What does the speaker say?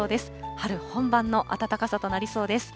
春本番の暖かさとなりそうです。